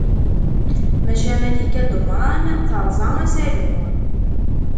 Maca Malika Dumran terẓa asalu.